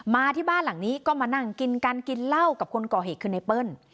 มาที่บ้านหลังนี้ก็มานั่งกินกันกินเหล้ากับคนก่อเหตุคือไนเปิ้ล